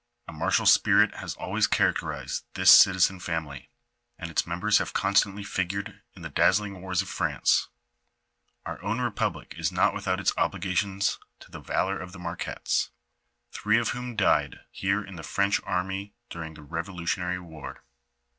A martial spirit has always characterized this citizen family, and its members have constantly figured in the daz Vi i'l xlil LIFE OF FATHER MABQUETTE. M 11 zHng wars of France. Our own republic is not without its obligations to the valor of the Marquettes, three of whom died here in the French army during the Kevolutionary war.